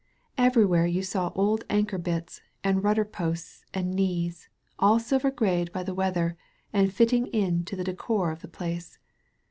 Everywhere you saw old anchor bits, and rudder posts, and knees, all silver greyed by the weather, and fitted in to the dScor of the place.